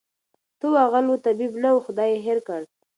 ته وا غل وو طبیب نه وو خدای ېې هېر کړ